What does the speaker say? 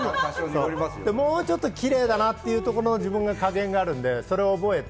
もうちょっとキレイだなというところを自分の加減があるので、それを覚えて。